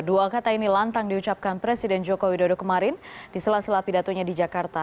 dua kata ini lantang diucapkan presiden joko widodo kemarin di sela sela pidatonya di jakarta